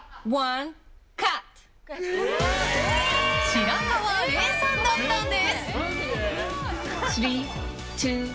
白河れいさんだったんです。